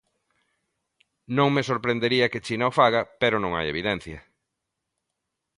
Non me sorprendería que China o faga, pero non hai evidencia.